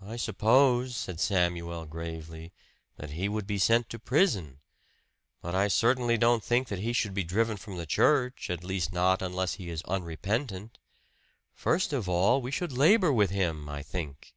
"I suppose," said Samuel gravely, "that he would be sent to prison. But I certainly don't think that he should be driven from the church at least not unless he is unrepentant. First of all we should labor with him, I think."